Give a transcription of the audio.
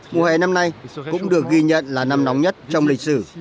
mùa hè năm nay cũng được ghi nhận là năm nóng nhất trong lịch sử